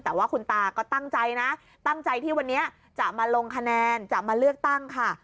แต่ว่าคุณตาก็ตั้งใจนะตั้งใจที่วันนี้จะมาลงคะแนนจะมาเลือกตั้งค่ะ